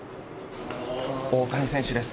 大谷選手です。